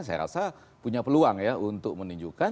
saya rasa punya peluang ya untuk menunjukkan